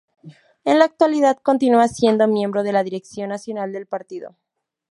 En la actualidad, continúa siendo Miembro de la Dirección Nacional del partido.